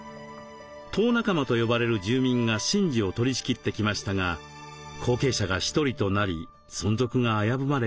「頭仲間」と呼ばれる住民が神事を取りしきってきましたが後継者が１人となり存続が危ぶまれています。